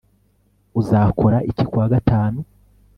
uzakora iki kuwa gatanu